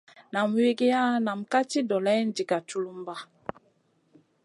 Nam wigiya nam kam ci doleyna diga culumba.